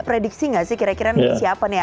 prediksi nggak sih kira kira siapa nih